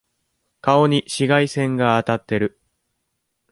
顔に紫外線が当たってる。